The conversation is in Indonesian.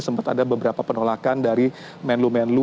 sempat ada beberapa penolakan dari menlu menlu